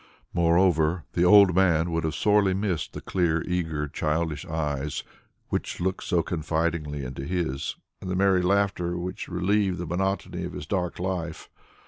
Moreover, the old man would have sorely missed the clear, eager childish eyes, which looked so confidingly into his, and the merry laughter which relieved the monotony of his dark life.